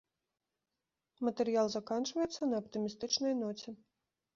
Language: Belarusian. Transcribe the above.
Матэрыял заканчваецца на аптымістычнай ноце.